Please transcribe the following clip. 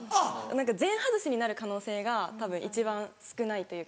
全外しになる可能性が一番少ないというか。